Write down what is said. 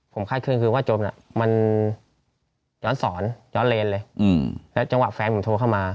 ผมคาดคลื่นคือว่าโจรย้อนศรย้อนเรนและจังหวะแฟนผมโทรเข้ามา